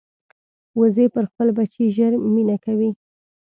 وزې پر خپل بچي ژر مینه کوي